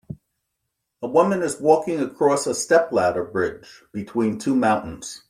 A woman is walking across a step ladder bridge between two mountains.